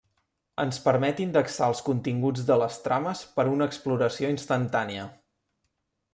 Ens permet indexar els continguts de les trames per una exploració instantània.